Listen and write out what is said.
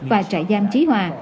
và trại giam chí hòa